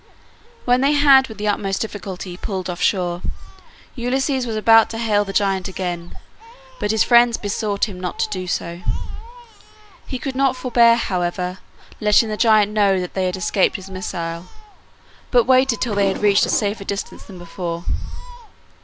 When they had with the utmost difficulty pulled off shore, Ulysses was about to hail the giant again, but his friends besought him not to do so. He could not forbear, however, letting the giant know that they had escaped his missile, but waited till they had reached a safer distance than before.